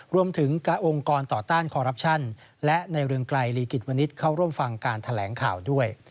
รวมถึงองค์กรต่อต้านคอรัปชั่นและในเรืองไกลลีกิจวนิษฐ์เข้าร่วมฟังการแถลงข่าวด้วย